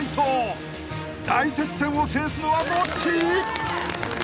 大接戦を制すのはどっち？］